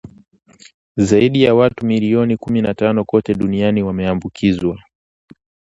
zaidi ya watu milioni kumi na tano kote duniani wameambukzwa